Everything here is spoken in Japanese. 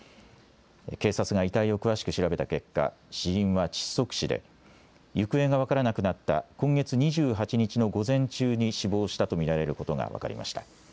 警察が遺体を詳しく調べた結果、死因は窒息死で、行方が分からなくなった今月２８日の午前中に死亡したと見られることが分かりました。